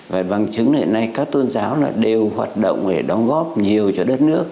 và bằng chứng hiện nay các tôn giáo đều hoạt động để đóng góp nhiều cho đất nước